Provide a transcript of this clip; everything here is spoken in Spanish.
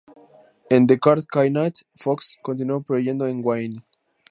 En "The Dark Knight", Fox continúa proveyendo a Wayne.